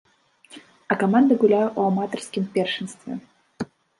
А каманда гуляе ў аматарскім першынстве.